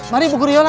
mari bu guru yola